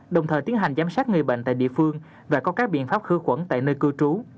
đồng thời tiến hành giám sát người bệnh tại địa phương và có các biện pháp khử khuẩn tại nơi cư trú